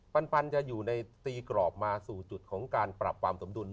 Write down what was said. ปันจะอยู่ในตีกรอบมาสู่จุดของการปรับความสมดุล